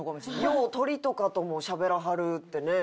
よう鳥とかともしゃべらはるってね。